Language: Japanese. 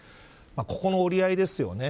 ここの折り合いですよね。